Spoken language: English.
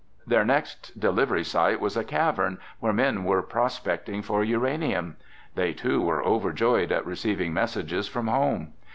Their next delivery site was a cavern where men were prospecting for uranium. They too were overjoyed at receiving messages from home.